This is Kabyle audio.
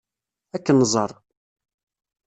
Ad k-nẓer.